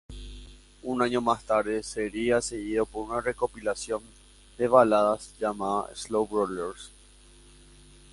Un año más tarde seria seguido por una recopilación de baladas llamada "Slow Rollers".